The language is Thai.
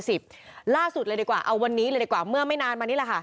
ล่าสุดเลยดีกว่าเอาวันนี้เลยดีกว่าเมื่อไม่นานมานี่แหละค่ะ